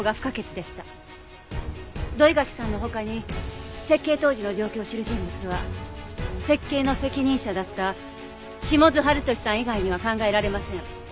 土居垣さんの他に設計当時の状況を知る人物は設計の責任者だった下津晴稔さん以外には考えられません。